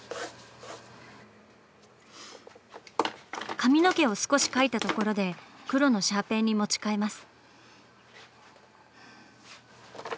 髪の毛を少し描いたところで黒のシャーペンに持ち替えます。